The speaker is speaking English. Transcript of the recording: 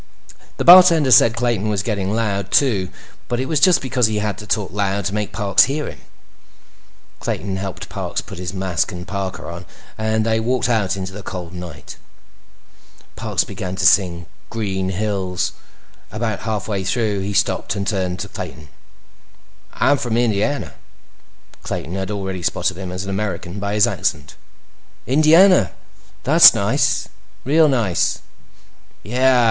The bartender said Clayton was getting loud, too, but it was just because he had to talk loud to make Parks hear him. Clayton helped Parks put his mask and parka on and they walked out into the cold night. Parks began to sing Green Hills. About halfway through, he stopped and turned to Clayton. "I'm from Indiana." Clayton had already spotted him as an American by his accent. "Indiana? That's nice. Real nice." "Yeah.